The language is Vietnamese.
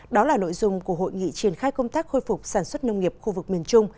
đó là nội dung của hội nghị triển khai công tác khôi phục sản xuất nông nghiệp khu vực miền trung